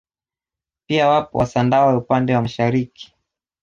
Pia wapo wasandawe upande wa mashariki